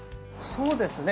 そうですね。